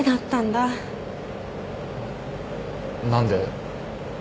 何で？